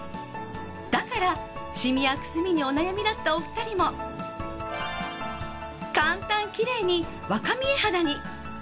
だからシミやくすみにお悩みだったお二人も簡単きれいに若見え肌に。